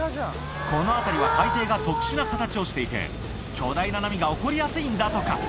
この辺りは、海底が特殊な形をしていて、巨大な波が起こりやすいんだとか。